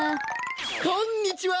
こんにちは！